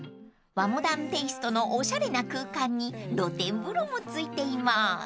［和モダンテイストのおしゃれな空間に露天風呂も付いています］